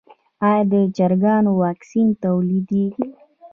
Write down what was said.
آیا د چرګانو واکسین تولیدیږي؟